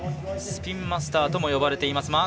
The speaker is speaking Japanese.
スピンマスターとも呼ばれています。